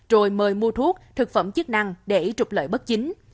rồi mời mua thuốc thực phẩm chức năng để trục lợi bất chính